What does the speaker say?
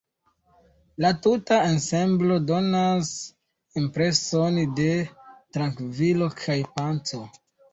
La tuta ensemblo donas impreson de trankvilo kaj paco.